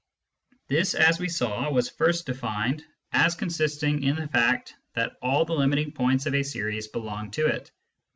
This, as we saw, was first defined as consisting in the fact that all the limiting points of a series belong to it.